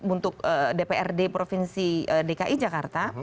untuk dprd provinsi dki jakarta